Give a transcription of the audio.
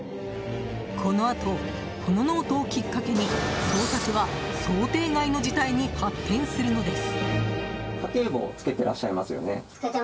このあとこのノートをきっかけに捜索は想定外の事態に発展するのです。